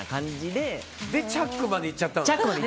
で、チャックまでいっちゃったんだ。